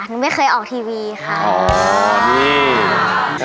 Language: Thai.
หนูไม่เคยออกทีวีค่ะ